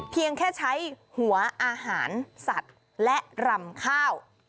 เพียงแค่ใช้หัวอาหารสัตว์และรำข้าว